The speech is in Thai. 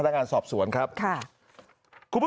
มึงอยากให้ผู้ห่างติดคุกหรอ